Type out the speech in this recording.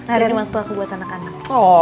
hari ini waktu aku buat anak anak